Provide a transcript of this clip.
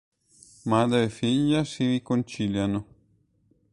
Madre e figlia si riconciliano.